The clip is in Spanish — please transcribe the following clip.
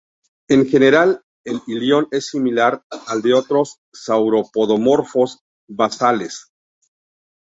En general, el ilion es similar al de otros sauropodomorfos basales.